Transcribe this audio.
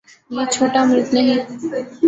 یہ چھوٹا ملک نہیں۔